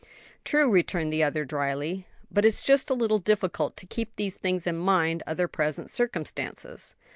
"True," returned the other, drily; "but it's just a little difficult to keep these things in mind under present circumstances.